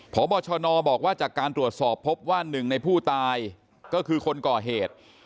พบชนบอกว่าจากการตรวจสอบพบว่าหนึ่งในผู้ตายก็คือคนก่อเหตุ